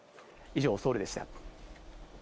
以上、ソウルでした。